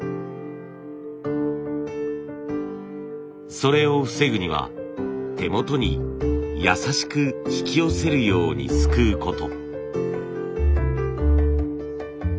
それを防ぐには手元に優しく引き寄せるようにすくうこと。